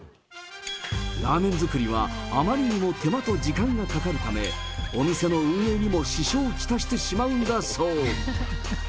ラーメン作りはあまりにも手間と時間がかかるため、お店の運営にも支障をきたしてしまうんだそう。